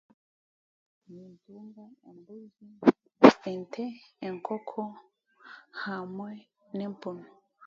Ente, enkooko hamwe n'empuunu.